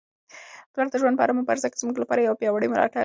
پلار د ژوند په هره مبارزه کي زموږ لپاره یو پیاوړی ملاتړی دی.